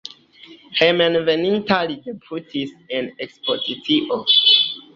Hejmenveninta li debutis en ekspozicio.